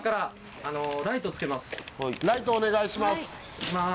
ライトお願いします。